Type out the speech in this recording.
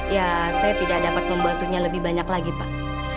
ya saya tidak dapat membantunya lebih banyak lagi pak